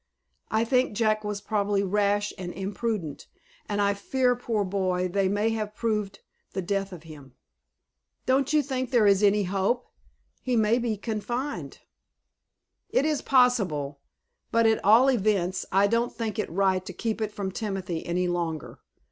"I think Jack was probably rash and imprudent, and I fear, poor boy, they may have proved the death of him." "Don't you think there is any hope? He may be confined." "It is possible; but, at all events, I don't think it right to keep it from Timothy any longer.